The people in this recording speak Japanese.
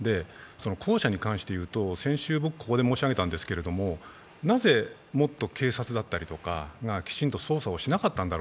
後者に関していうと先週僕ここで申し上げたんですがなぜもっと警察だったりとかがきちんと捜査をしなかったのか。